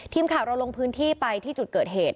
ทีมข่าวเราลงพื้นที่ไปที่จุดเกิดเหตุ